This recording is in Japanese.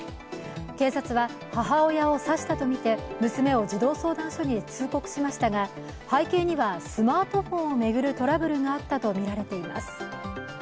警察は母親を刺したとみて娘を児童相談所に通告しましたが背景にはスマートフォンを巡るトラブルがあったとみられています。